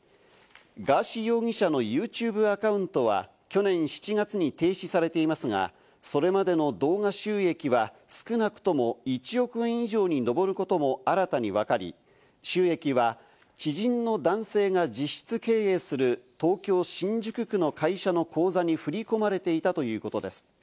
ガーシー容疑者のユーチューブアカウントは去年７月に停止されていますが、それまでの動画収益は、少なくとも１億円以上に上ることも新たに分かり、収益は知人の男性が実質経営する東京・新宿区の会社の口座に振り込まれていたということです。